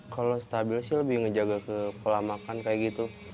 kalau stabil sih lebih ngejaga ke pola makan kayak gitu